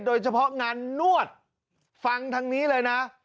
โดยเฉพาะงานนวดฟังทางนี้เลยนะ